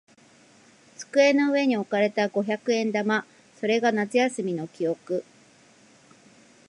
机の上に置かれた五百円玉。それが夏休みの記憶。